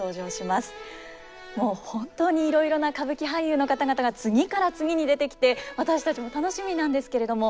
もう本当にいろいろな歌舞伎俳優の方々が次から次に出てきて私たちも楽しみなんですけれども。